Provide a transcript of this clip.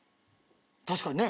確かにね。